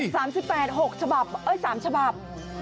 ๓๘ล้านบาท๖ฉบับเอ้ย๓ฉบับ